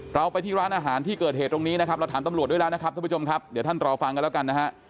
เราไปที่ร้านอาหารที่เกิดเหตุตรงนี้นะครับเราถามตำรวจด้วยแล้วนะครับท่านผู้ชมครับเดี๋ยวท่านรอฟังกันแล้วกันนะฮะ